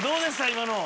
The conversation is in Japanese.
今の。